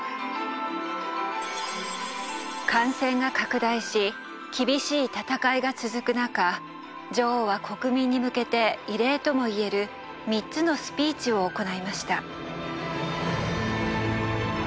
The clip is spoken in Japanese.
感染が拡大し厳しい闘いが続く中女王は国民に向けて異例とも言える３つのスピーチを行いました。